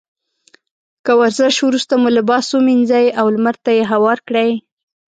له ورزش وروسته مو لباس ومينځئ او لمر ته يې هوار کړئ.